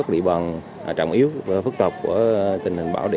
sẵn sàng ứng phó